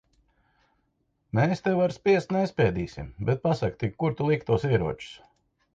Mēs tev ar spiest nespiedīsim. Bet pasaki tik, kur tu liki tos ieročus?